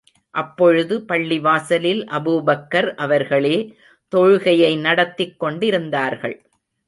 அப்பொழுது, பள்ளிவாசலில் ஆபூபக்கர் அவர்களே, தொழுகையை நடத்திக் கொண்டிருந்தார்கள்.